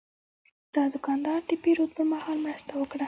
دا دوکاندار د پیرود پر مهال مرسته وکړه.